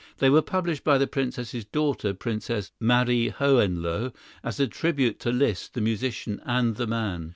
They were published by the Princess's daughter, Princess Marie Hohenlohe, as a tribute to Liszt the musician and the man.